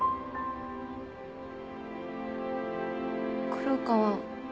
黒川。